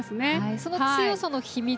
その強さの秘密